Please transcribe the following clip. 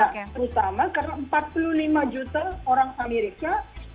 terutama karena empat puluh lima juta orang amerika